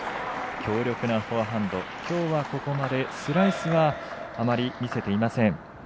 強力なフォアハンドきょうは、ここまでスライスはあまり見せていません。